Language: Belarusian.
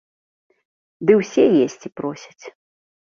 Ды ўсе есці просяць.